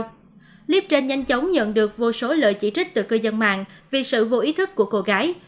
clip trên nhanh chóng nhận được vô số lời chỉ trích từ cư dân mạng vì sự vô ý thức của cô gái